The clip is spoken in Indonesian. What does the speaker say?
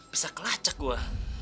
bisa kelacak gua